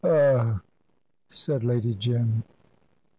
"Ugh!" said Lady Jim.